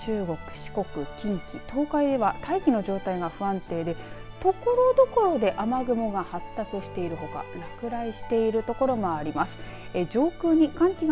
また中国、四国、近畿東海では大気の状態が不安定でところどころで雨雲が発達しているほか落雷してる所があります。